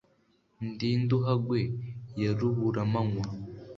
ndinduhagwe ya ruburamanywa